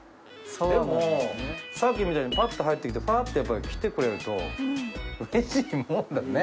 でもさっきみたいにパッと入ってきてパッとやっぱり来てくれると嬉しいもんだね。